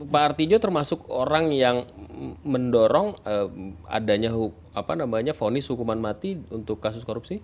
pak artijo termasuk orang yang mendorong adanya fonis hukuman mati untuk kasus korupsi